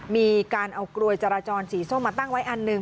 มีการเอากลวยจราจรสีส้มมาตั้งไว้อันหนึ่ง